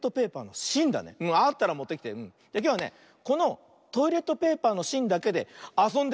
このトイレットペーパーのしんだけであそんでみるよ。